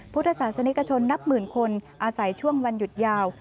พุทธศาสนิกชนนับหมื่นคนอาศัยช่วงวันหยุดยาว